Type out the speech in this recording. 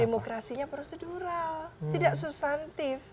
demokrasinya prosedural tidak substansi